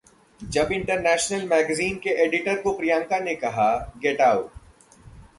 जब international magazine के editor को प्रियंका ने कहा- 'Get Out...'